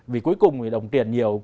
vì cuối cùng thì đồng tiền nhiều